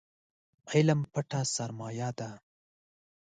علم پټه سرمايه ده